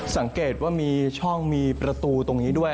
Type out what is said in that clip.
สังเกตว่ามีช่องมีประตูตรงนี้ด้วย